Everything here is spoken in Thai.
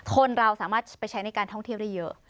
คนเราสามารถไปใช้ในการท่องเที่ยวได้เยอะ